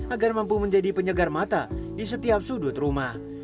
agar mampu menjadi penyegar mata di setiap sudut rumah